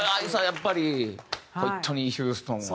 やっぱりホイットニー・ヒューストンは。